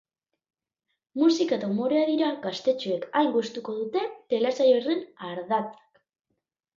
Musika eta umorea dira gaztetxoek hain gustuko duten telesail horren ardatzak.